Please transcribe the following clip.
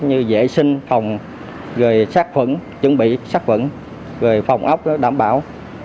như vệ sinh phòng chuẩn bị sát phẩm phòng ốc đảm bảo